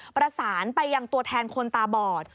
ประสานไปยังตัวแทนคนตาบอด